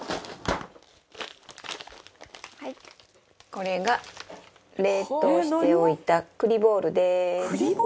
これが冷凍しておいた栗ボールです。